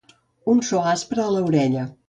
Un so aspre a l'orella.